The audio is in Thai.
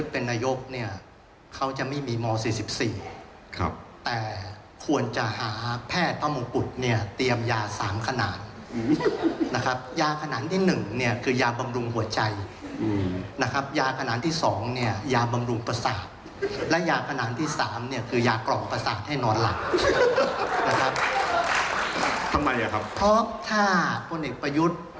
เพราะถ้าคนอีกประยุทธ์